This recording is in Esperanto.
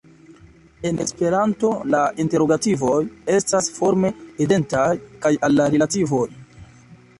En Esperanto, la interogativoj estas forme identaj al la rilativoj.